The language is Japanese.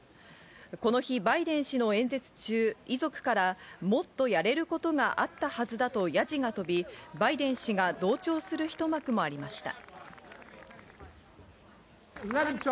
この日、バイデン氏の演説中、遺族からもっとやれることがあったはずだとやじが飛び、バイデン氏が同調する一幕もありました。